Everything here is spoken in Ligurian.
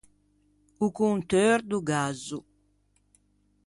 O conteur do gazzo.